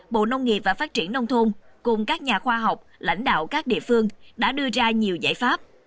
bộ nông nghiệp và phát triển nông thôn cùng các nhà khoa học lãnh đạo các địa phương đã đưa ra nhiều giải pháp